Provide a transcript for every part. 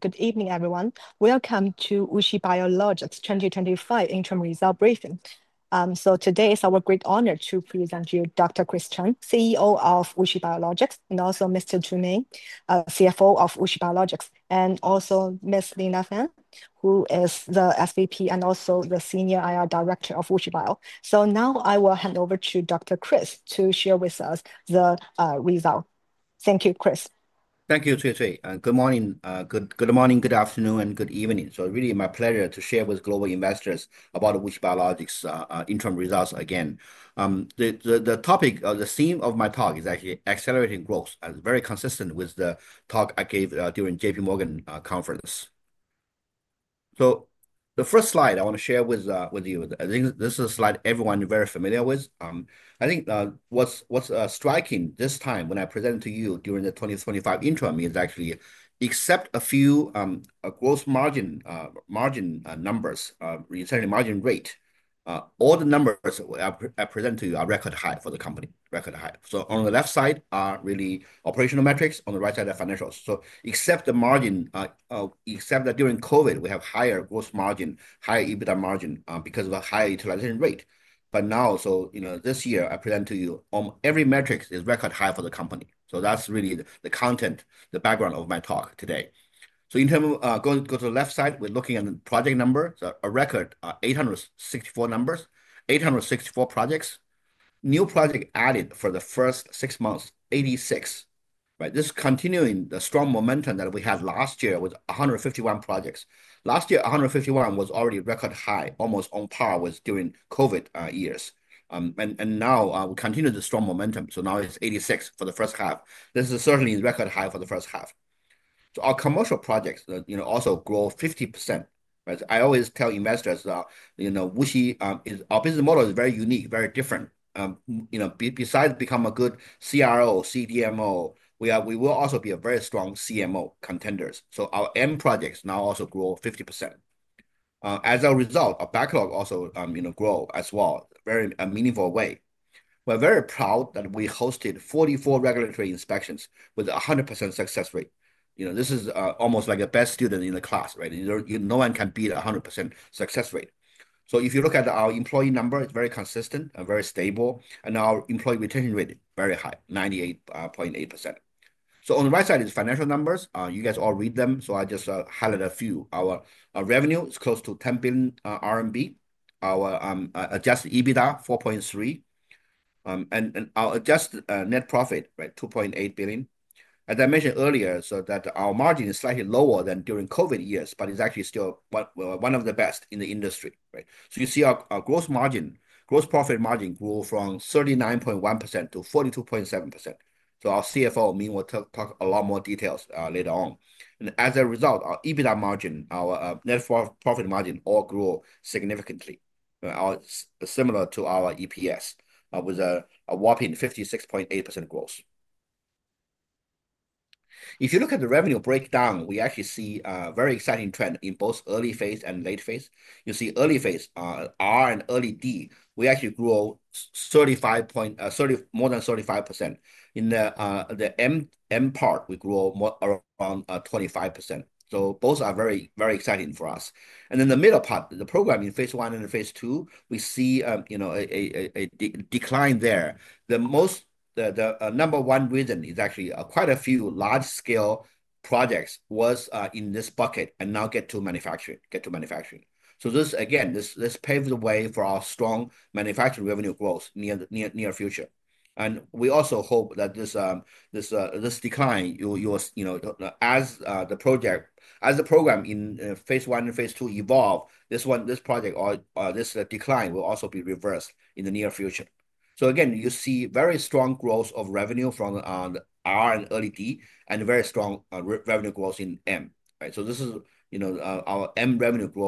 Good evening everyone. Welcome to WuXi Biologics 2025 Interim Result Briefing. Today it's our great honor to present you Dr. Chris Chen, CEO of WuXi Biologics, and also Mr. Ming Tu, CFO of WuXi Biologics, and also Ms. Lina Fan, who is the SVP and also the Senior IR Director of WuXi Biologics. Now I will hand over to Dr. Chris to share with us the result. Thank you, Chris. Thank you Cui Cui. Good morning, good afternoon and good evening. It's really my pleasure to share with global investors about WuXi Biologics interim results. Again, the topic, the theme of my talk is actually accelerating growth and very consistent with the talk I gave during JPMorgan conference. The first slide I want to share with you, I think this is a slide everyone is very familiar with. I think what's striking this time when I present to you during the 2025 interim is actually except a few gross margin, margin numbers, margin rate, all the numbers I present to you are record high for the company. Record high. On the left side are really operational metrics. On the right side are financials. Except the margin, except that during COVID we have higher gross margin, higher EBITDA margin because of a higher utilization rate. Now, this year I present to you, every metric is record high for the company. That's really the content, the background of my talk today. In terms of going to the left side, we're looking at the project number, a record 864 numbers. 864 projects, new project added for the first six months. 86. This is continuing the strong momentum that we had last year with 151 projects. Last year 151 was already record high, almost on par with during COVID years. Now we continue the strong momentum. Now it's 86 for the first half. This is certainly record high for the first half. Our commercial projects also grow 50%. I always tell investors our business model is very unique, very different. Besides becoming a good CRO CDMO, we will also be a very strong CMO contenders. Our end projects now also grow 50%. As a result, our backlog also grow as well in a very meaningful way. We're very proud that we hosted 44 regulatory inspections with 100% success rate. This is almost like the best student in the class. No one can beat 100% success rate. If you look at our employee number, it's very consistent and very stable. Our employee retention rate is very high, 98.8%. On the right side is financial numbers. You guys all read them. I just highlight a few. Our revenue is close to 10 billion RMB, our adjusted EBITDA 4.3 billion and our adjusted net profit 2.8 billion. As I mentioned earlier, our margin is slightly lower than during COVID years, but it's actually still one of the best in the industry. You see our gross profit margin grew from 39.1% to 42.7%. Our CFO Ming Tu will talk a lot more details later on. As a result, our EBITDA margin and our net profit margin all grew significantly, similar to our EPS, with a whopping 56.8% growth. If you look at the revenue breakdown, we actually see a very exciting trend in both early phase and late phase. You see early phase R and early D, we actually grew more than 35%. In the M part, we grew around 25%. Both are very, very exciting for us. In the middle part, the program in phase I and phase II, we see a decline there. The number one reason is actually quite a few large scale projects were in this bucket and now get to manufacturing. This paved the way for our strong manufacturing revenue growth in the near future. We also hope that this decline, as the program in phase I and phase II evolves, this decline will also be reversed in the near future. You see very strong growth of revenue from R and early D and very strong revenue growth in M. Our M revenue grew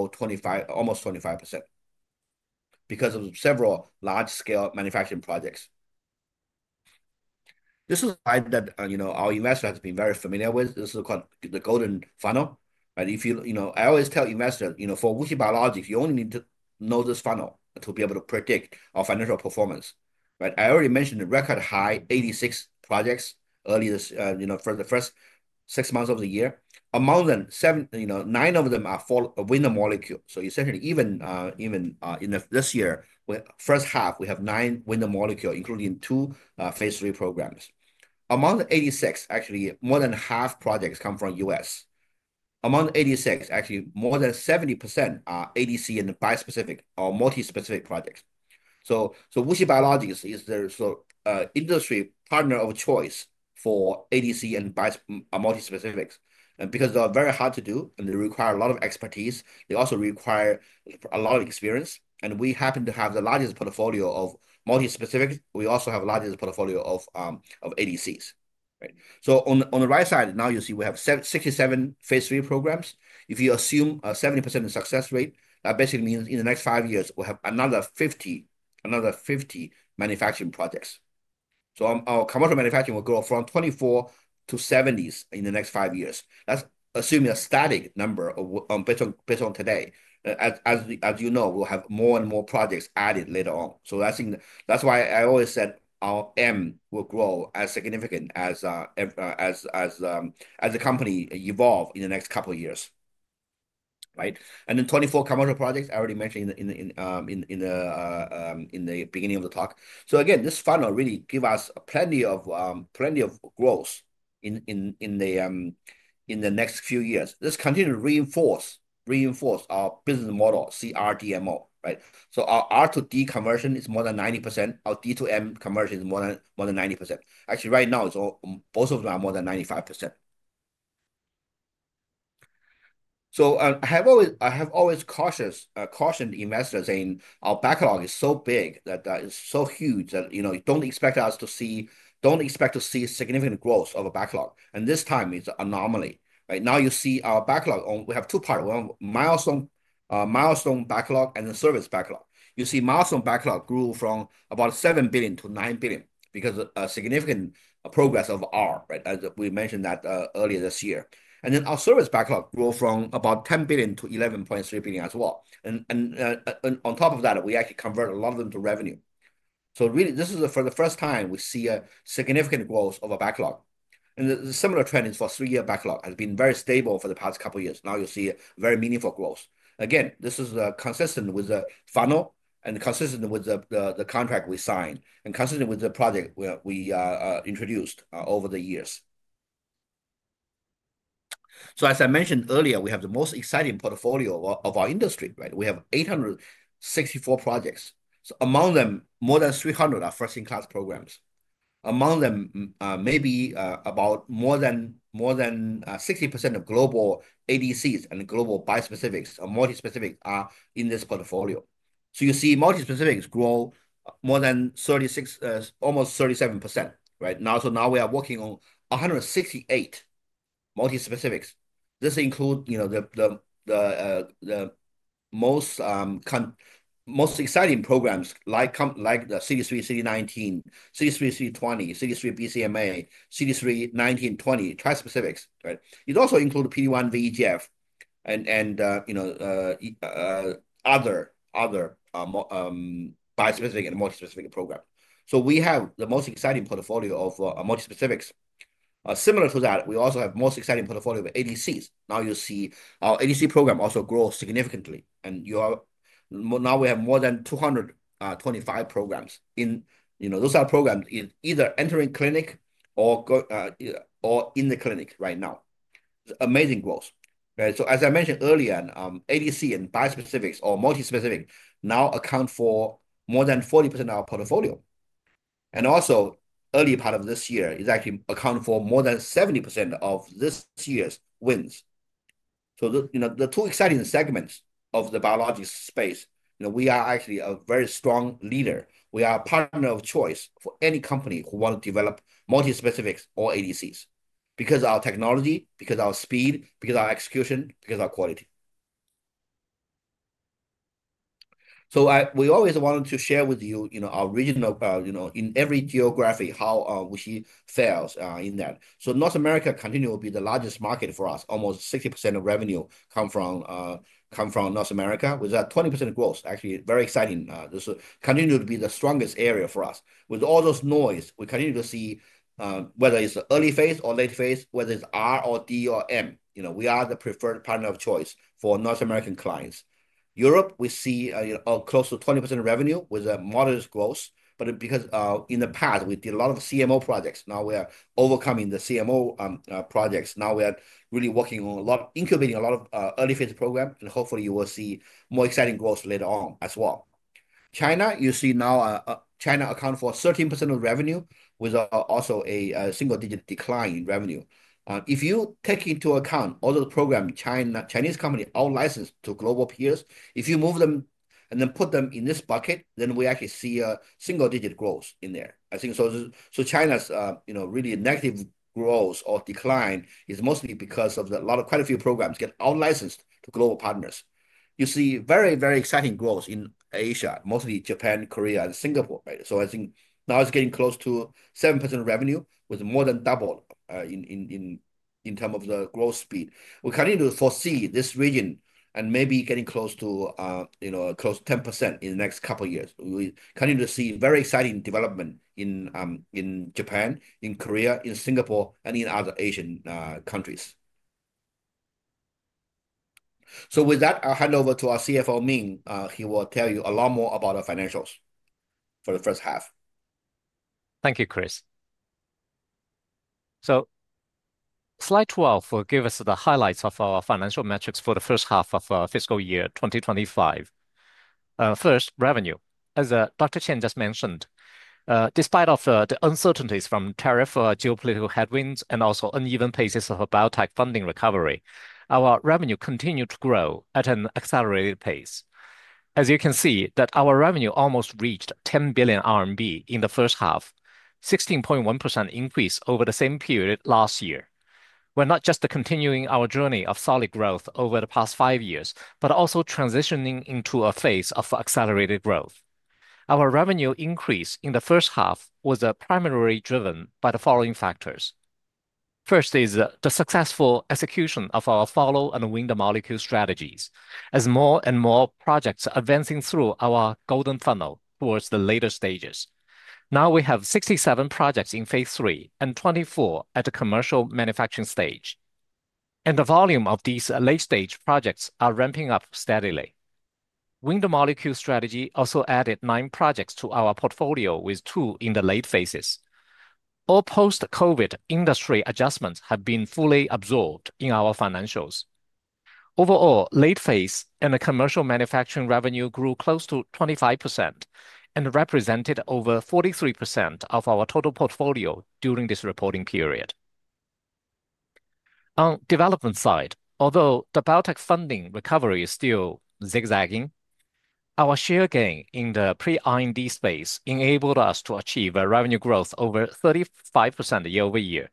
almost 25% because of several large scale manufacturing projects. This is what our investors have been very familiar with. This is called the golden funnel. I always tell investors for WuXi Biologics, you only need to know this funnel to be able to predict our financial performance. I already mentioned record high 86 projects earlier for the first six months of the year. Among them, nine of them are for a window molecule. Essentially, even in this year with the first half, we have nine window molecule including two phase III programs. Among the 86, actually more than half the projects come from us. Among 86, actually more than 70% are ADC and bispecific or multispecific projects. WuXi Biologics is the industry partner of choice for ADC and multispecifics because they are very hard to do and they require a lot of expertise. They also require a lot of experience. We happen to have the largest portfolio of multispecifics. We also have the largest portfolio of ADCs. On the right side now, you see we have 67 phase III programs. If you assume a 70% success rate, that basically means in the next five years we'll have another 50 manufacturing projects. Our commercial manufacturing will grow from 24 to 70 in the next five years. That's assuming a static number based on today. As you know, we'll have more and more projects added later on. I think that's why I always said our aim will grow as significant as the company evolve in the next couple of years. Right. Then 24 commercial projects I already mentioned in the beginning of the talk. Again, this funnel really gives us plenty of growth in the next few years. Let's continue to reinforce our business model CRDMO. Right. Our R to D conversion is more than 90%. Our D2M conversion is more than 90%. Actually, right now both of them are more than 95%. I have always cautioned investors, saying our backlog is so big, that is so huge that you know, don't expect to see significant growth of a backlog. This time it's anomaly. Right now you see our backlog, we have two parts: one milestone backlog and the service backlog. You see milestone backlog grew from about $7 billion to $9 billion because of significant progress of R, as we mentioned earlier this year. Then our service backlog grew from about $10 billion to $11.3 billion as well. On top of that, we actually convert a lot of them to revenue. This is for the first time we see a significant growth of our backlog. The similar trend is for three-year backlog, which has been very stable for the past couple of years. Now you see very meaningful growth. This is consistent with the funnel and consistent with the contract we signed and consistent with the project we introduced over the years. As I mentioned earlier, we have the most exciting portfolio of our industry. We have 864 projects. Among them, more than 300 are first-in-class programs. Among them, maybe about more than 60% of global ADCs and global bispecifics or multispecifics are in this portfolio. You see multispecifics grow more than 36%, almost 37% right now. Now we are working on 168 multispecifics. This includes the most exciting programs like the CD3, CD19, C3, C20, CD3, BCMA, CD3, 19, 20, tri-specifics. It also includes P1, VGF, and other bispecific and multispecific programs. We have the most exciting portfolio of multispecifics. Similar to that, we also have the most exciting portfolio of ADCs. Now you see our ADC program also grow significantly, and now we have more than 225 programs. Those are programs either entering clinic or in the clinic right now. Amazing growth. As I mentioned earlier, ADC and bispecifics or multispecifics now account for more than 40% of our portfolio. Also, early part of this year, it actually accounts for more than 70% of this year's wins. The two exciting segments of the biologics space, we are actually a very strong leader. We are a partner of choice for any company who wants to develop multispecifics or ADCs because of our technology, because of our speed, because of our execution, because of our quality. We always wanted to share with you our regional, you know, in every geography how we fare in that. North America continues to be the largest market for us. Almost 60% of revenue comes from North America. With that 20% growth, actually very exciting. This will continue to be the strongest area for us with all those noise. We continue to see whether it's early phase or late phase, whether it's R or D or M. We are the preferred partner of choice for North American clients. Europe, we see close to 20% revenue with a modest growth. Because in the past we did a lot of CMO projects, now we are overcoming the CMO projects. Now we are really working on incubating a lot of early phase programs and hopefully you will see more exciting growth later on as well. China, you see now China accounts for 13% of revenue with also a single digit decline in revenue. If you take into account all of the programs, Chinese company, all licensed to global peers. If you move them and then put them in this bucket, then we actually see a single digit growth in there. I think China's really negative growth or decline is mostly because of quite a few programs get unlicensed global partners. You see very, very exciting growth in Asia, mostly Japan, Korea, and Singapore. I think now it's getting close to 7% revenue with more than double in terms of the growth speed. We continue to foresee this region and maybe getting close to 10% in the next couple of years. We continue to see very exciting development in Japan, in Korea, in Singapore, and in other Asian countries. With that, I'll hand over to our CFO Ming. He will tell you a lot more about the financials for the first half. Thank you, Chris. Slide 12 will give us the highlights of our financial metrics for the first half of fiscal year 2025. First, revenue. As Dr. Chen just mentioned, despite the uncertainties from tariff, geopolitical headwinds, and also uneven paces of biotech funding recovery, our revenue continued to grow at an accelerated pace. As you can see, our revenue almost reached 10 billion RMB in the first half, a 16.1% increase over the same period last year. We're not just continuing our journey of solid growth over the past five years, but also transitioning into a phase of accelerated growth. Our revenue increase in the first half was primarily driven by the following factors. First is the successful execution of our follow and win molecule strategies as more and more projects advance through our golden funnel towards the later stages. Now we have 67 projects in phase III and 24 at the commercial manufacturing stage, and the volume of these late-stage projects is ramping up steadily. Win Molecule strategy also added nine projects to our portfolio, with two in the late phases. All post-COVID industry adjustments have been fully absorbed in our financials. Overall, late-phase and commercial manufacturing revenue grew close to 25% and represented over 43% of our total portfolio during this reporting period. On the development side, although the biotech funding recovery is still zigzagging, our share gain in the pre-IND space enabled us to achieve revenue growth over 35% year-over-year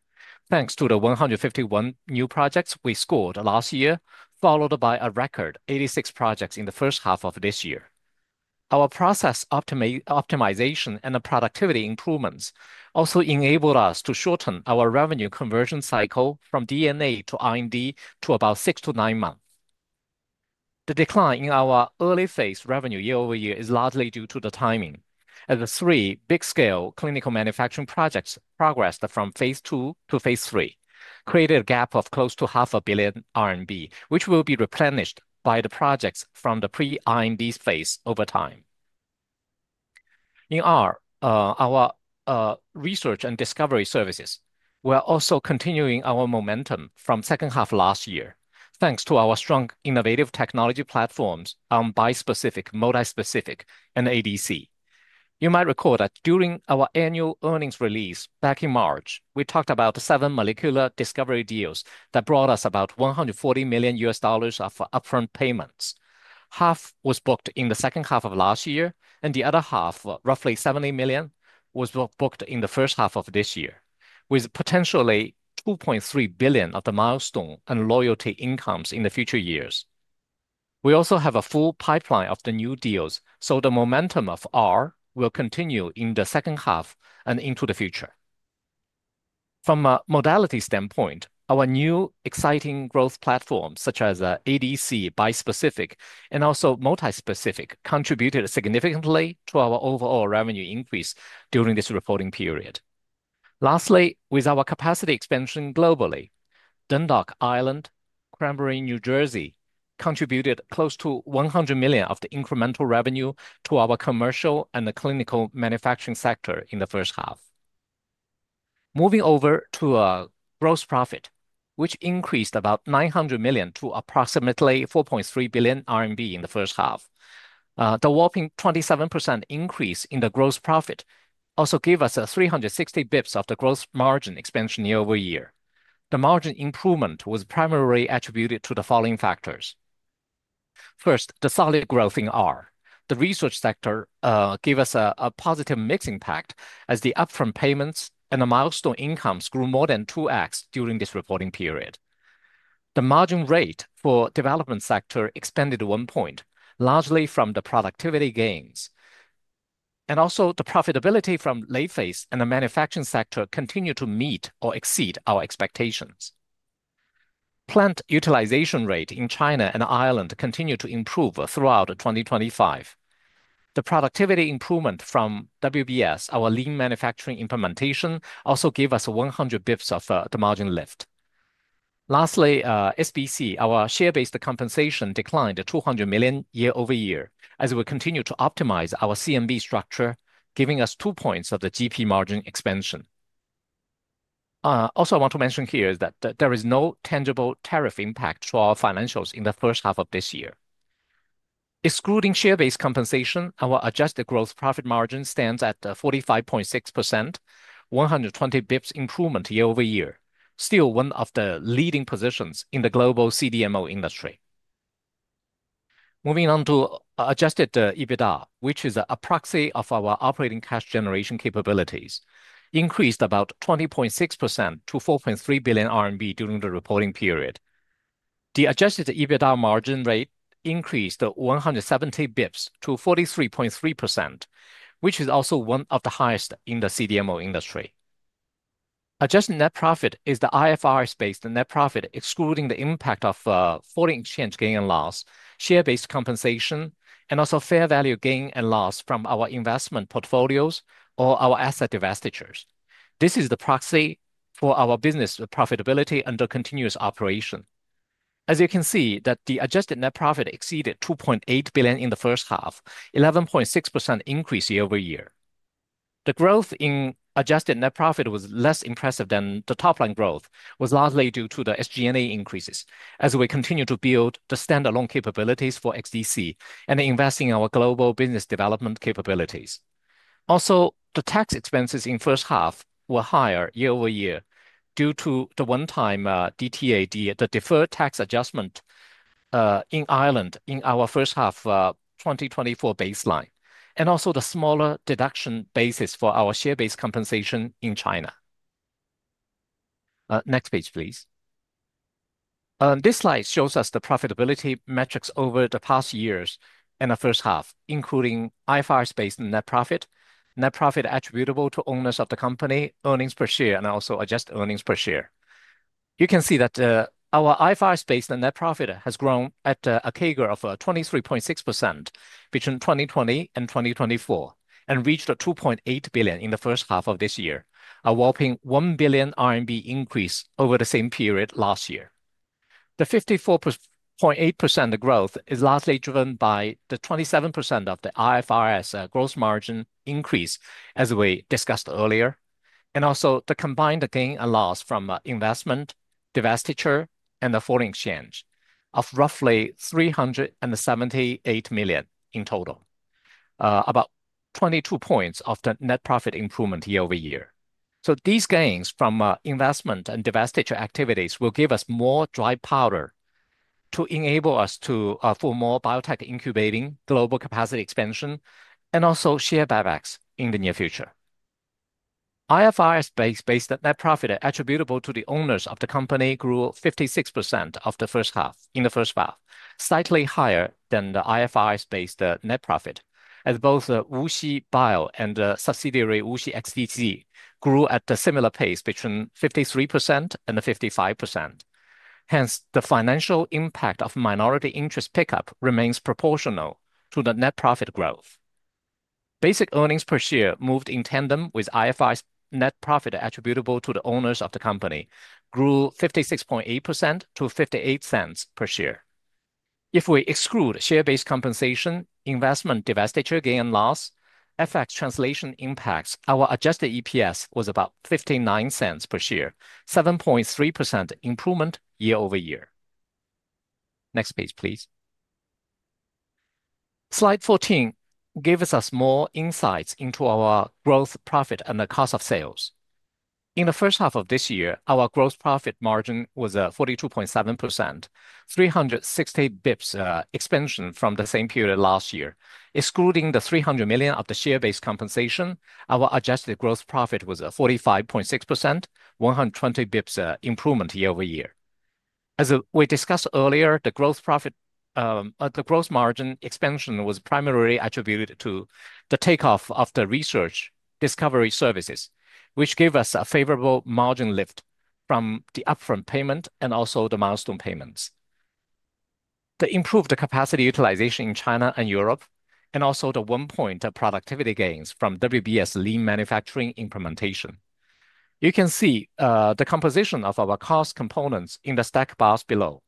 thanks to the 151 new projects we scored last year, followed by a record 86 projects in the first half of this year. Our process optimization and productivity improvements also enabled us to shorten our revenue conversion cycle from DNA to R&D to about six to nine months. The decline in our early-phase revenue year-over-year is largely due to the timing, as three big-scale clinical manufacturing projects progressed from phase II to phase III, creating a gap of close to 0.5 billion RMB, which will be replenished by the projects from the pre-IND phase over time. In our research and discovery services, we are also continuing our momentum from the second half last year thanks to our strong innovative technology platforms on bispecific, multispecific, and ADC. You might recall that during our annual earnings release back in March, we talked about the seven molecular discovery deals that brought us about $140 million of upfront payments. Half was booked in the second half of last year and the other half, roughly $70 million, was booked in the first half of this year with potentially $2.3 billion of the milestone and royalty incomes in the future years. We also have a full pipeline of the new deals, so the momentum of R will continue in the second half and into the future. From a modality standpoint, our new exciting growth platform such as ADCs, bispecific, and also multispecific contributed significantly to our overall revenue increase during this reporting period. Lastly, with our capacity expansion globally, Dundalk, Ireland, Cranbury, New Jersey contributed close to $100 million of the incremental revenue to our commercial and clinical manufacturing sector in the first half. Moving over to gross profit, which increased about $900 million to approximately 4.3 billion RMB in the first half. The whopping 27% increase in the gross profit also gave us 360 basis points of the gross margin expansion year-over-year. The margin improvement was primarily attributed to the following factors. First, the solid growth in R, the research sector, gave us a positive mix impact as the upfront payments and milestone incomes grew more than 2x during this reporting period. The margin rate for development sector extended one point largely from the productivity gains and also the profitability from layface, and the manufacturing sector continued to meet or exceed our expectations. Plant utilization rate in China and Ireland continue to improve throughout 2025. The productivity improvement from WBS, our lean manufacturing implementation, also gave us 100 basis points of the margin lift. Lastly, SBC, our share-based compensation, declined $200 million year-over-year as we continue to optimize our CMB structure, giving us 2 points of the GP margin expansion. Also, I want to mention here that there is no tangible tariff impact to our financials in the first half of this year. Excluding share-based compensation, our adjusted gross profit margin stands at 45.6%, a 120 basis points improvement year-over-year, still one of the leading positions in the global CDMO industry. Moving on to adjusted EBITDA, which is a proxy of our operating cash generation capabilities, increased about 20.6% to 4.3 billion RMB during the reporting period. The adjusted EBITDA margin rate increased 170 basis points to 43.3%, which is also one of the highest in the CDMO industry. Adjusted net profit is the IFRS-based net profit excluding the impact of foreign exchange gain and loss, share-based compensation, and also fair value gain and loss from our investment portfolios or our asset divestitures. This is the proxy for our business profitability under continuous operation. As you can see, the adjusted net profit exceeded $2.8 billion in the first half, an 11.6% increase year-over-year. The growth in adjusted net profit was less impressive than the top line growth, which was largely due to the SGA increases as we continue to build the standalone capabilities for XDC and invest in our global business development capabilities. Also, the tax expenses in the first half were higher year-over-year due to the one-time DTAD, the deferred tax adjustment in Ireland in our first half 2024 baseline, and also the smaller deduction basis for our share-based compensation in China. Next page please. This slide shows us the profitability metrics over the past years and the first half, including IFRS-based net profit, net profit attributable to owners of the company, earnings per share, and also adjusted earnings per share. You can see that our IFRS-based net profit has grown at a CAGR of 23.6% between 2020 and 2024 and reached $2.8 billion in the first half of this year, a whopping 1 billion RMB increase over the same period last year. The 54.8% growth is largely driven by the 27% IFRS gross margin increase as we discussed earlier and also the combined gain and loss from investment divestiture and the foreign exchange of roughly 378 million in total, about 22 points of the net profit improvement year-over-year. These gains from investment and divestiture activities will give us more dry powder to enable us for more biotech incubating, global capacity expansion, and also share buybacks in the near future. IFRS-based net profit attributable to the owners of the company grew 56% in the first half, slightly higher than the IFRS-based net profit as both WuXi Biologics and subsidiary WuXi XDZ grew at a similar pace between 53% and 55%. Hence, the financial impact of minority interest pickup remains proportional to the net profit growth. Basic earnings per share moved in tandem with IFRS net profit attributable to the owners of the company, grew 56.8% to $0.58 per share if we exclude share-based compensation, investment divestiture gain and loss, and FX translation impacts. Our adjusted EPS was about $0.59 per share, 7.3% improvement year-over-year. Next page please. Slide 14 gives us more insights into our gross profit and the cost of sales. In the first half of this year, our gross profit margin was 42.7%, 360 basis points expansion from the same period last year. Excluding the $300 million of the share-based compensation, our adjusted gross profit was 45.6%, 120 basis points improvement year-over-year. As we discussed earlier, the gross margin expansion was primarily attributed to the takeoff of the research discovery services, which gave us a favorable margin lift from the upfront payment and also the milestone payments. The improved capacity utilization in China and Europe, and also the one point productivity gains from WBS lean manufacturing implementation. You can see the composition of our cost components in the stack bars below,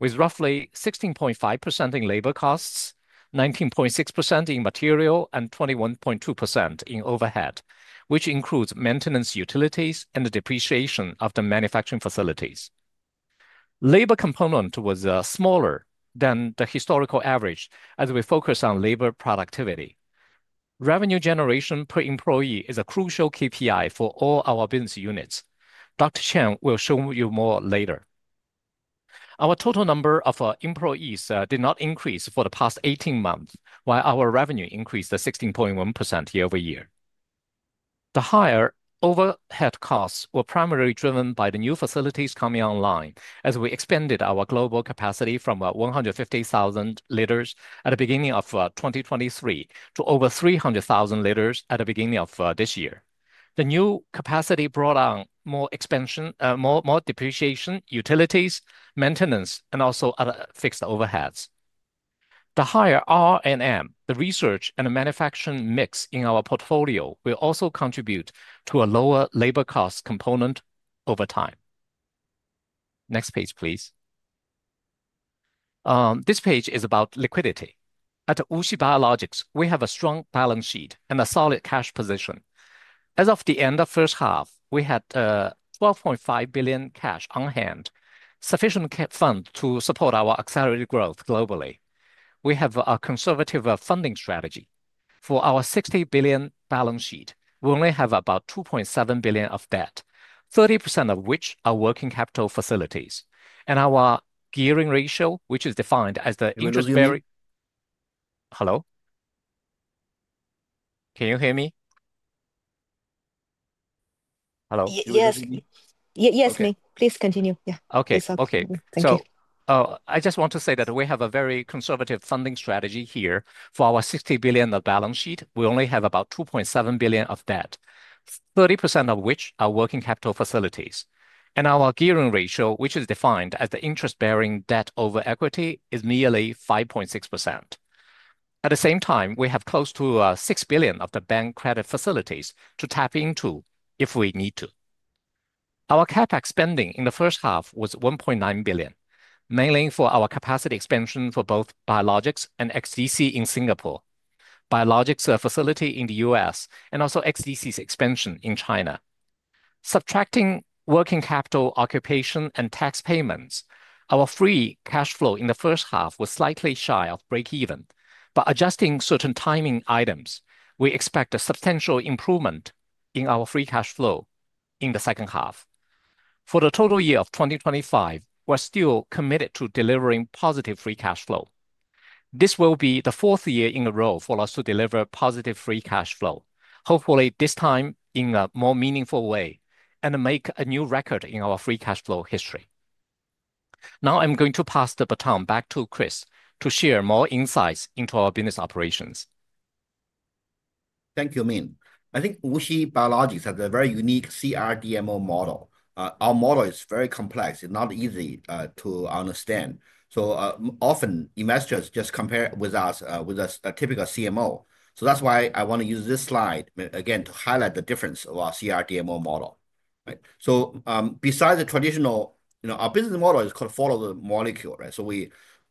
with roughly 16.5% in labor costs, 19.6% in material, and 21.2% in overhead, which includes maintenance, utilities, and the depreciation of the manufacturing facilities. Labor component was smaller than the historical average. As we focus on labor productivity, revenue generation per employee is a crucial KPI for all our business units. Dr. Chen will show you more later. Our total number of employees did not increase for the past 18 months, while our revenue increased 16.1% year-over-year. The higher overhead costs were primarily driven by the new facilities coming online. As we expanded our global capacity from 150,000 L at the beginning of 2023 to over 300,000 L at the beginning of this year, the new capacity brought on more expansion, more depreciation, utilities, maintenance, and also other fixed overheads. The higher R&D and manufacturing mix in our portfolio will also contribute to a lower labor cost component over time. Next page please. This page is about liquidity. At WuXi Biologics, we have a strong balance sheet and a solid cash position. As of the end of first half, we had $12.5 billion cash on hand, sufficient fund to support our accelerated growth globally. We have a conservative funding strategy. For our $60 billion balance sheet, we only have about $2.7 billion of debt, 30% of which are working capital facilities, and our gearing ratio which is defined as the emergency. Hello? Can you hear me? Hello? Yes, May, please continue. Okay. I just want to say that we have a very conservative funding strategy here. For our $60 billion balance sheet, we only have about $2.7 billion of debt, 30% of which are working capital facilities. Our gearing ratio, which is defined as the interest-bearing debt over equity, is nearly 5.6%. At the same time, we have close to $6 billion of bank credit facilities to tap into if we need to. Our CapEx spending in the first half was $1.9 billion, mainly for our capacity expansion for both Biologics and XDC in Singapore, Biologics facility in the U.S., and also XDC's expansion in China. Subtracting working capital, occupation, and tax payments, our free cash flow in the first half was slightly shy of break even. Adjusting certain timing items, we expect a substantial improvement in our free cash flow in the second half. For the total year of 2025, we're still committed to delivering positive free cash flow. This will be the fourth year in a row for us to deliver positive free cash flow. Hopefully, this time in a more meaningful way and make a new record in our free cash flow history. Now I'm going to pass the baton back to Chris to share more insights into our business operations. Thank you, Ming. I think WuXi Biologics has a very unique CRDMO model. Our model is very complex. It's not easy to understand. Often investors just compare us with a typical CMO. That's why I want to use this slide again to highlight the difference of our CRDMO model. Besides the traditional, you know, our business model is called follow the molecule, right?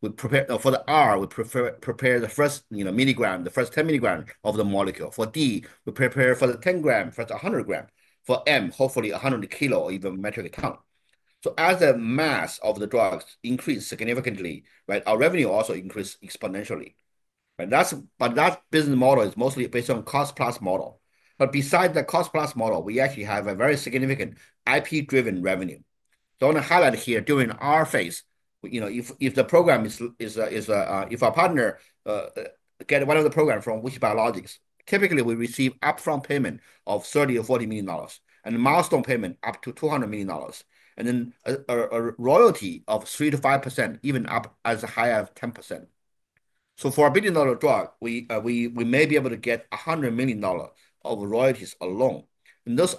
We prepare for the R, we prepare the first, you know, milligram, the first 10 mg of the molecule. For D, we prepare for the 10 gram, for the 100 gram. For M, hopefully 100 kg or even metric ton. As the mass of the drugs increases significantly, our revenue also increases exponentially. That business model is mostly based on cost plus model. Besides the cost plus model, we actually have a very significant IP-driven revenue. I want to highlight here during our phase, if the program is, if our partner gets one of the programs from WuXi Biologics, typically we receive upfront payment of $30 million or $40 million and milestone payment up to $200 million and then a royalty of 3%-5% even up as high as 10%. For a billion dollar drug, we may be able to get $100 million of royalties alone. Those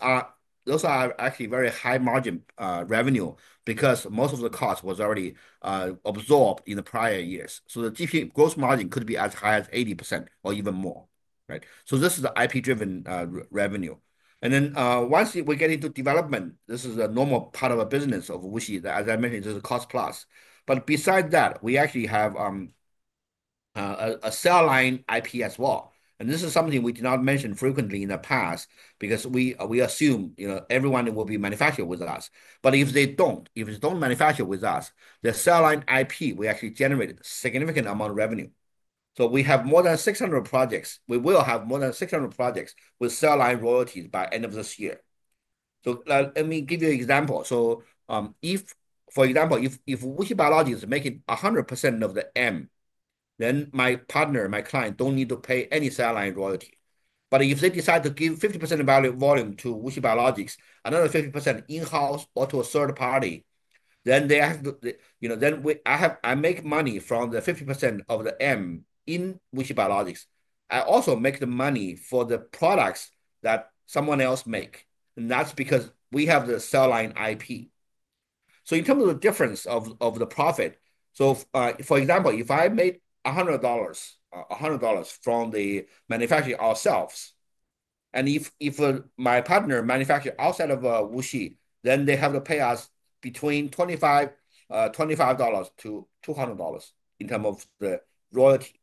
are actually very high margin revenue because most of the cost was already absorbed in the prior years. The gross margin could be as high as 80% or even more. Right. This is the IP-driven revenue. Once we get into development, this is a normal part of a business, which is, as I mentioned, a cost plus. Besides that, we actually have a cell line IP as well. This is something we did not mention frequently in the past because we assume everyone will be manufactured with us. If they don't manufacture with us, the cell line IP will actually generate a significant amount of revenue. We have more than 600 projects. We will have more than 600 projects with cell line royalties by end of this year. Let me give you an example. For example, if WuXi Biologics is making 100% of the manufacturing, then my partner, my client doesn't need to pay any cell line royalty. If they decide to give 50% volume to WuXi Biologics, another 50% in-house or to a third party, then we make money from the 50% of the manufacturing in WuXi Biologics. We also make the money for the products that someone else makes. That's because we have the cell line IP. In terms of the difference of the profit, for example, if I made $100 from the manufacturing ourselves and if my partner manufactured outside of WuXi Biologics, then they have to pay us between $25-$200 in terms of the royalty.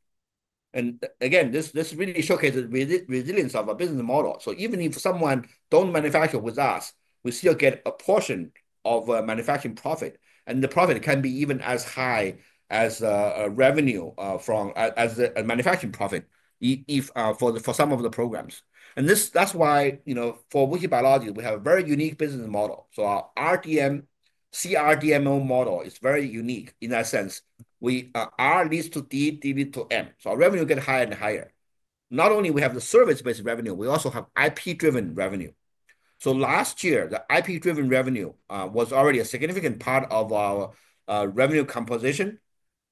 This really showcases the resilience of our business model. Even if someone doesn't manufacture with us, we still get a portion of manufacturing profit. The profit can be even as high as revenue as the manufacturing profit for some of the programs. That's why for WuXi Biologics we have a very unique business model. Our CRDMO model is very unique in that sense. R leads to D, D to M. Our revenue gets higher and higher. Not only do we have the service-based revenue, we also have IP-driven revenue. Last year the IP-driven revenue was already a significant part of our revenue composition.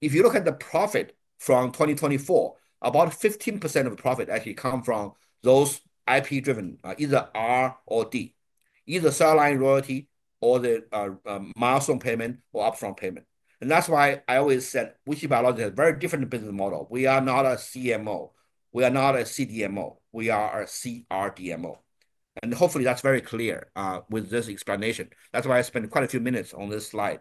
If you look at the profit from 2024, about 15% of profit actually comes from those IP-driven, either R or D, either cell line royalty or the milestone payment or upfront payment. That's why I always said WuXi Biologics has a very different business model. We are not a CMO, we are not a CDMO, we are a CRDMO. Hopefully that's very clear with this explanation. That's why I spent quite a few minutes on this slide.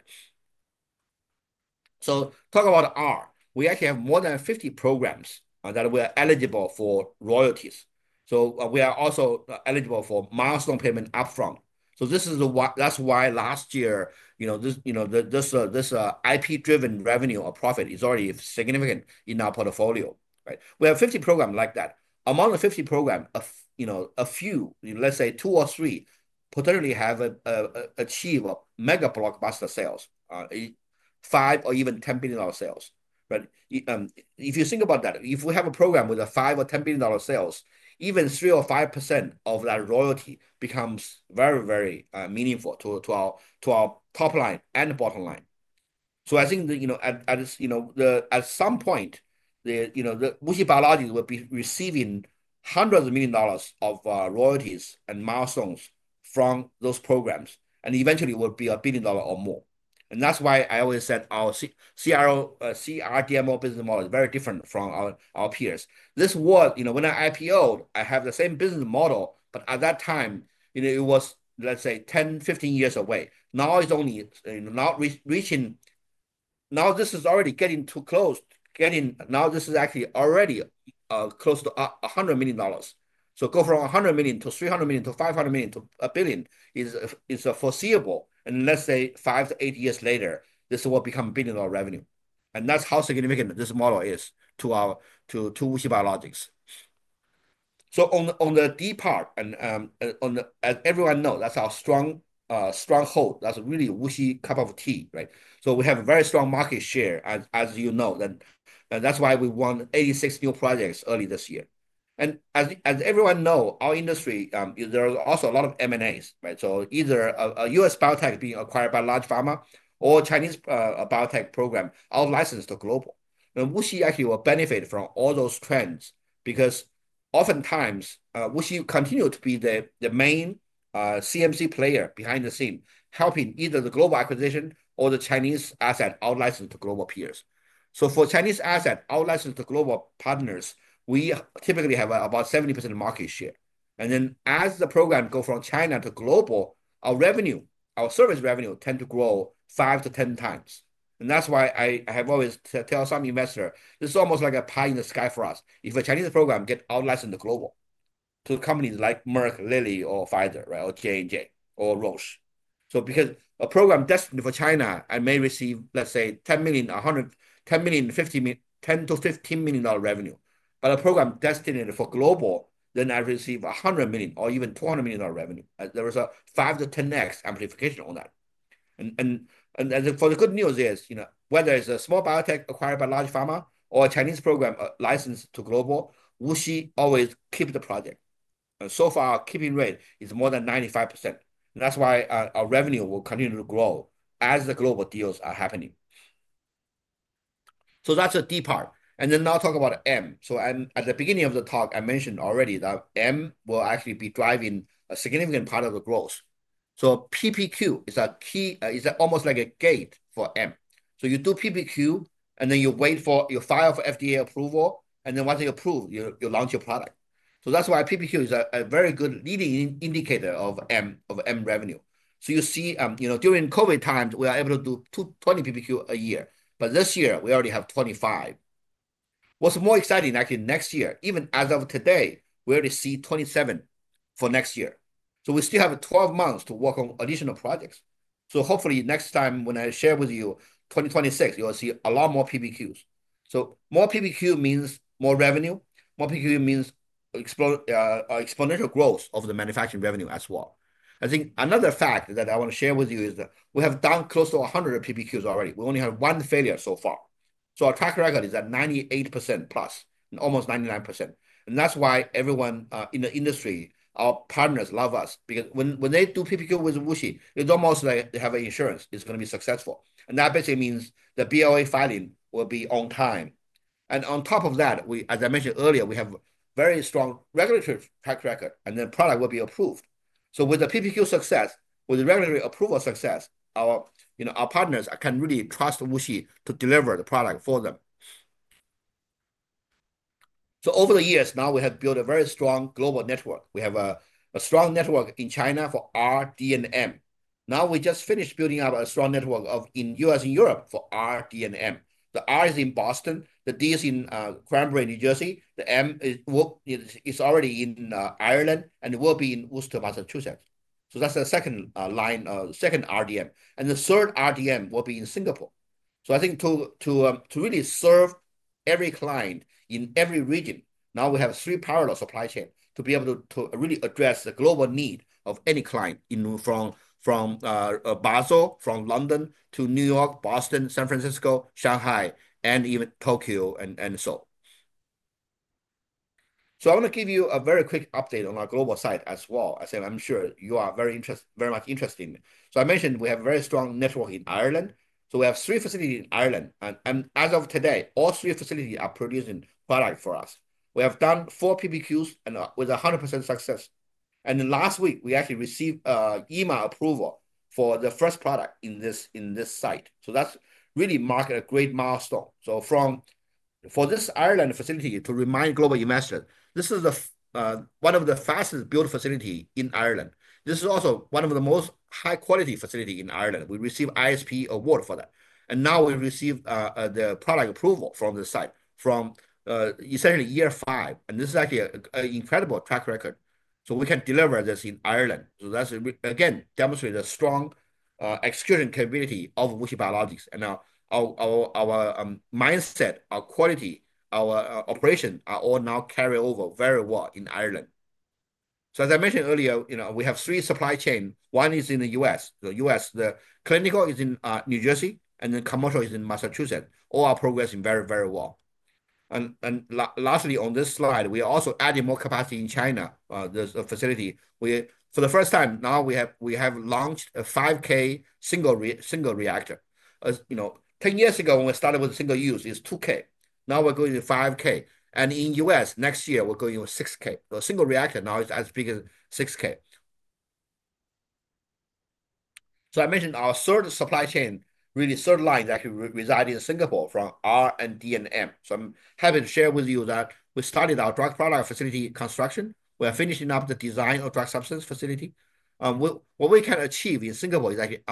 Talking about R, we actually have more than 50 programs that we are eligible for royalties. We are also eligible for milestone payment upfront. That's why last year, you know this IP-driven revenue or profit is already significant in our portfolio, right? We have 50 programs like that. Among the 50 programs, a few, let's say two or three, potentially have achieved mega blockbuster sales, $5 billion or even $10 billion sales. If you think about that, if we have a program with $5 billion or $10 billion sales, even 3% or 5% of that royalty becomes very, very meaningful to our top line and the bottom line. I think that at some point WuXi Biologics will be receiving hundreds of millions of dollars of royalties and milestones from those programs, and eventually it will be a billion dollars or more. That's why I always said our CRDMO business model is very different from our peers. This was, you know, when I IPO'd, I had the same business model, but at that time, it was, let's say, 10 or 15 years away. Now it's not only reaching, now this is already getting too close. Now this is actually already close to $100 million. To go from $100 million to $300 million to $500 million to a billion is foreseeable. Let's say five to eight years later, this will become billion dollar revenue. That's how significant this model is to WuXi Biologics. On the D part, and as everyone knows, that's our stronghold, that's really WuXi's cup of tea, right? We have a very strong market share, as you know. That's why we won 86 new projects early this year. As everyone knows, in our industry there are also a lot of M&As, either a U.S. biotech being acquired by large pharma or Chinese biotech programs out-licensed globally, and WuXi actually will benefit from all those trends because oftentimes WuXi continues to be the main CMC player behind the scenes, helping either the global acquisition or the Chinese asset out-licensed to global peers. For Chinese assets out-licensed to global partners, we typically have about 70% market share. As the program goes from China to global, our revenue, our service revenue, tends to grow 5x-10x. I have always told some investors this is almost like a pie in the sky for us if a Chinese program gets out-licensed globally to companies like Merck, Lilly, or Pfizer, or J&J, or Roche. Because a program destined for China, I may receive, let's say, $10 million, $110 million, $10 million to $15 million revenue, but a program destined for global, then I receive $100 million or even $200 million of revenue. There is a 5x-10x amplification on that. The good news is whether it's a small biotech acquired by large pharma or a Chinese program licensed to global, WuXi always keeps the project. So far, keeping rates is more than 95%. That's why our revenue will continue to grow as the global deals are happening. That's the D part, and then I'll talk about M. At the beginning of the talk, I mentioned already that M will actually be driving a significant part of the growth. PPQ is a key, is almost like a gate for M. You do PPQ and then you wait for, you file for FDA approval, and then once they approve, you launch your product. That's why PPQ is a very good leading indicator of M revenue. You see, during COVID times, we were able to do 20 PPQ a year. This year, we already have 25. What's more exciting, actually, next year, even as of today, we already see 27 for next year. We still have 12 months to work on additional projects. Hopefully, next time when I share with you 2026, you'll see a lot more PPQs. More PPQ means more revenue. More PPQ means exponential growth of the manufacturing revenue as well. Another fact that I want to share with you is that we have done close to 100 PPQs already. We only have one failure so far, so our track record is at 98%+, almost 99%. That's why everyone in the industry, our partners, love us because when they do PPQ with WuXi, it's almost like they have insurance. It's going to be successful, and that basically means the BLA filing will be on time. On top of that, as I mentioned earlier, we have a very strong regulatory track record and the product will be approved. With the PPQ success, with the regulatory approval success, our partners can really trust WuXi to deliver the product for them. Over the years, now we have built a very strong global network. We have a strong network in China for R, D, and M. We just finished building up a strong network in the U.S. and Europe for R, D, and M. The R is in Boston, the D is in Cranbury, New Jersey. The M is already in Ireland and will be in Worcester, Massachusetts. That's the second line, second R, D, M, and the third R, D, M will be in Singapore. To really serve every client in every region, now we have three parallel supply chains to be able to really address the global need of any client from Basel, from London to New York, Boston, San Francisco, Shanghai, and even Tokyo. I want to give you a very quick update on our global site as well. I'm sure you are very interested, very much interested. I mentioned we have a very strong network in Ireland. We have three facilities in Ireland and as of today all three facilities are producing product for us. We have done four PPQs with 100% success. Last week we actually received EMA approval for the first product in this site. That really marked a great milestone. For this Ireland facility, to remind global investors, this is one of the fastest built facilities in Ireland. This is also one of the most high quality facilities in Ireland. We received ISP award for that. Now we receive the product approval from the site from essentially year five and this is actually an incredible track record. We can deliver this in Ireland. That again demonstrates a strong execution community of WuXi Biologics. Now our mindset, our quality, our operation are all now carried over very well in Ireland. As I mentioned earlier, we have three supply chains. One is in the U.S. The clinical is in New Jersey and the commercial is in Massachusetts. All are progressing very, very well. Lastly on this slide, we are also adding more capacity in China. The facility for the first time now, we have launched a 5k single reactor. Ten years ago when we started with single use, it's 2k. Now we're going to 5k and in the U.S. next year we're going with 6k. A single reactor now is as big as 6k. I mentioned our third supply chain, really third line that resides in Singapore from R and D and M. I'm having shared with you that we started our drug product facility construction. We are finishing up the design of drug substance facility. What we can achieve in Singapore is actually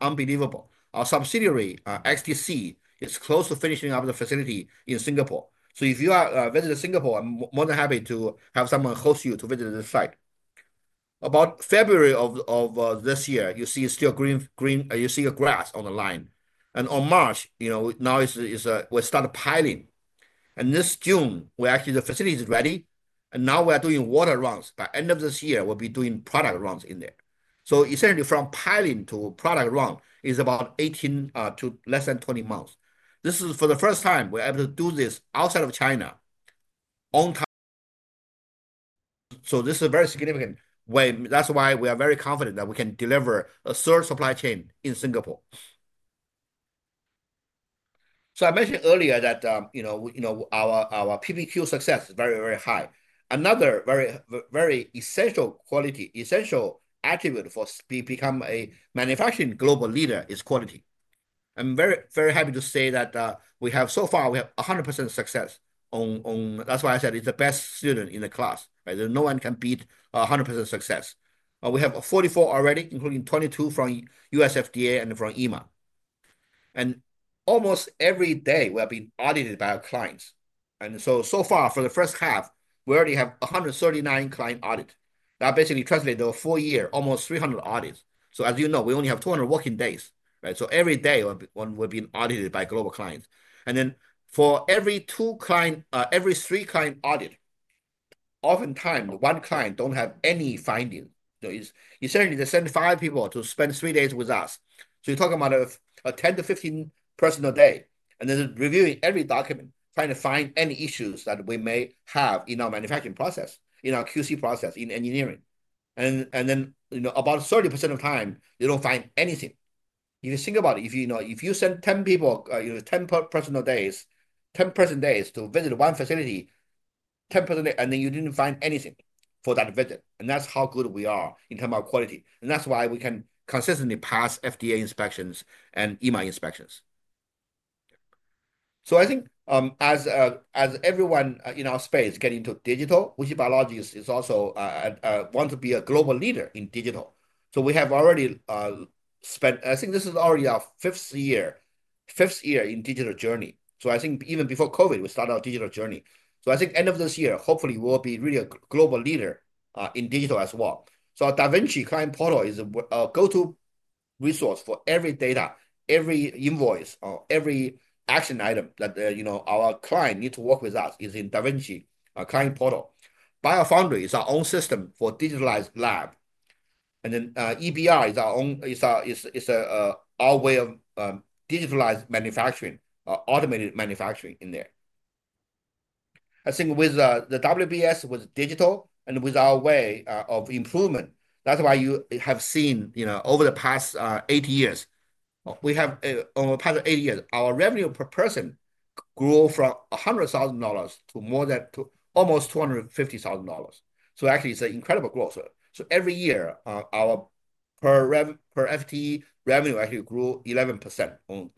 unbelievable. Our subsidiary XDC is close to finishing up the facility in Singapore. If you are visiting Singapore, I'm more than happy to have someone host you to visit this site. About February of this year you see still green, you see grass on the line and on March now we start piling and this June actually the facility is ready and now we are doing water runs. By end of this year we'll be doing product runs in there. Essentially from piling to product run is about 18 to less than 20 months. This is for the first time we're able to do this outside of China. This is a very significant way. That's why we are very confident that we can deliver a third supply chain in Singapore. I mentioned earlier that our PBQ success is very, very high. Another very, very essential quality, essential attribute for becoming a manufacturing global leader is quality. I'm very, very happy to say that so far we have 100% success on. That's why I said it's the best student in the class. No one can beat 100% success. We have 44 already, including 22 from U.S. FDA and from EMA. Almost every day we have been audited by our clients. So far for the first half we already have 139 client audits. That basically translates to a full year, almost 300 audits. As you know, we only have 200 working days. Every day we're being audited by global clients and then for every two client, every three client audits, oftentimes one client doesn't have any finding. Essentially, they send five people to spend three days with us. You're talking about 10-15 person-days and then reviewing every document, trying to find any issues that we may have in our manufacturing process, in our QC process, in engineering. About 30% of the time they don't find anything. If you think about it, if you send 10 people, 10 person-days to visit one facility, 10 person, and then you didn't find anything for that visit. That's how good we are in terms of quality. That's why we can consistently pass FDA inspections and EMA inspections. I think as everyone in our space is getting to digital, WuXi Biologics wants to be a global leader in digital. We have already spent, I think this is already our fifth year, fifth year in digital journey. Even before COVID we started our digital journey. I think end of this year, hopefully we'll be really a global leader in digital as well. DaVinci client portal is a go-to resource for every data, every invoice, every action item that our client needs to work with us is in DaVinci client portal. Biofoundry is our own system for digitalized lab and then EBR is our own way of digitalized manufacturing, automated manufacturing in there. I think with the WBS, with digital and with our way of improvement, that's why you have seen over the past eight years, over the past eight years our revenue per person grew from $100,000 to almost $250,000. Actually, it's an incredible growth. Every year our per FTE revenue actually grew 11% on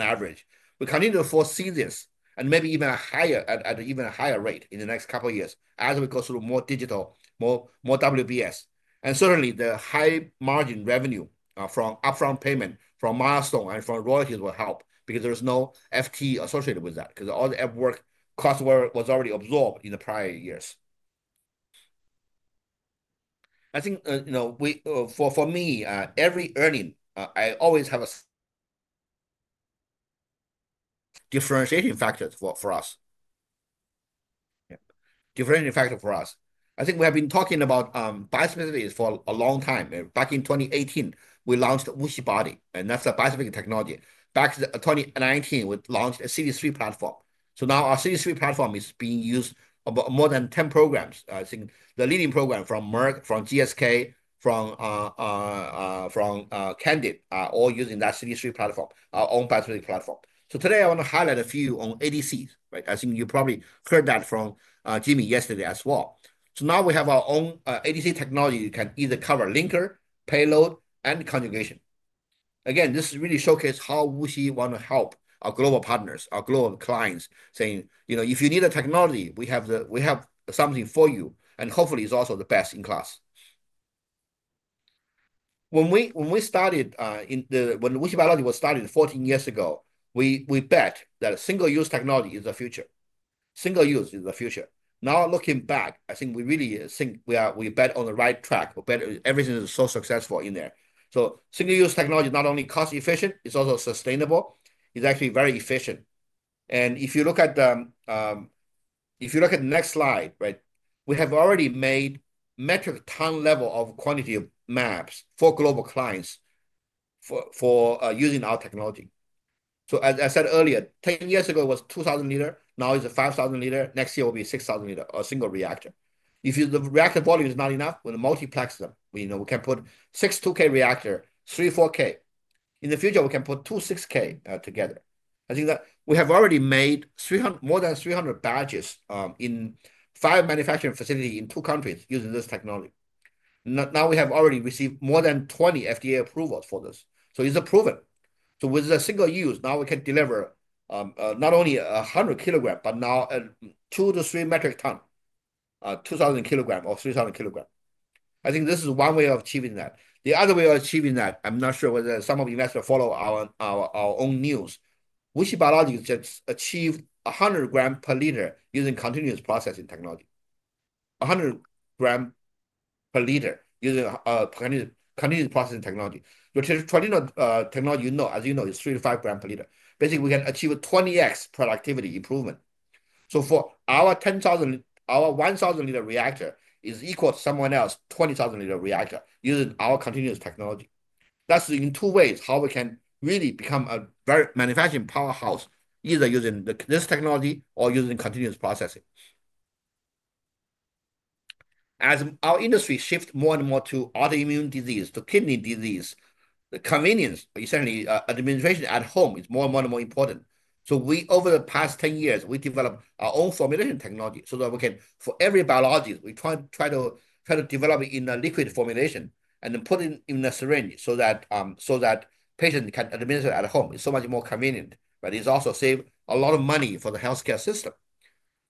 average. We continue to foresee this and maybe even higher at an even higher rate in the next couple of years as we go through more digitalization, more WBS, and certainly the high margin revenue from upfront payment, from milestone, and from royalties will help because there's no FTE associated with that because all the FWORK cost was already absorbed in the prior years. I think, you know, for me, every earning I always have a differentiating factor for us. Differentiating factor for us. I think we have been talking about BioServ for a long time. Back in 2018, we launched WuXiBody and that's the bispecific technology. Back in 2019, we launched a CD3 platform. Now our CD3 platform is being used in more than 10 programs. I think the leading program from Merck, from GSK, from Candid are all using that CD3 platform, our own battery platform. Today I want to highlight a few on ADCs. I think you probably heard that from Jimmy yesterday as well. Now we have our own ADC technology that can either cover linker, payload, and conjugation. This really showcases how WuXi Biologics wants to help our global partners, our global clients, saying if you need a technology, we have something for you. Hopefully it's also the best in class. When WuXi Biologics was started 14 years ago, we bet that single use technology is the future. Single use is the future. Now looking back, I think we really think we bet on the right track. Everything is so successful in there. Single use technology is not only cost efficient, it's also sustainable. It's actually very efficient. If you look at the next slide, we have already made metric ton level of quantity of mAbs for global clients using our technology. As I said earlier, 10 years ago was 2,000 L. Now it's a 5,000 L. Next year will be 6,000 L. A single reactor. If the reactor volume is not enough, we multiplex them. We can put six 2k reactors, 3.4k. In the future, we can put two 6k together. We have already made more than 300 batches in five manufacturing facilities in two countries using this technology. Now we have already received more than 20 FDA approvals for this, so it's approved. With single use now, we can deliver not only 100 kg but now 2 to 3 metric ton, 2,000 kg or 3,000 kg. I think this is one way of achieving that, the other way of achieving that. I'm not sure whether some of you guys will follow our own news. WuXi Biologics just achieved 100 g/L using continuous processing technology. 100 g/L using continuous processing technology, which is 20 technology. You know, as you know, it's 3 g-5 g per liter, basically we can achieve a 20x productivity improvement. For our 10,000, our 1,000 L reactor is equal to someone else's 20,000 L reactor using our continuous technology. That's in two ways how we can really become a manufacturing powerhouse, either using this technology or using continuous processing. As our industry shifts more and more to autoimmune disease, to kidney disease, the convenience, essentially administration at home is more and more and more important. Over the past 10 years, we developed our own formulation technology so that we can, for every biologics, we try to develop it in a liquid formulation and then put it in a syringe so that patient can administer at home. It's so much more convenient, but it also saves a lot of money for the healthcare system.